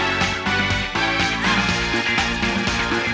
ให้คุกกี้ทุกหน่อยกัน